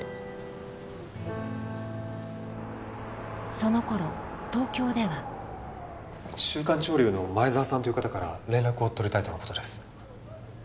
そのころ東京では「週刊潮流」の前沢さんという方から連絡を取りたいとのことです。